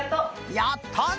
やったね！